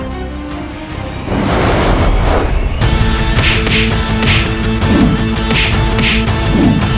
kau akan menang